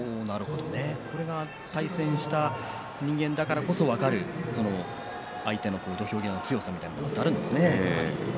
これは対戦した人間だからこそ分かる相手の土俵際の強さみたいなことがあるんですね。